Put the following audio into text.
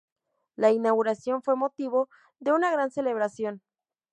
La inauguración fue motivo de una gran celebración.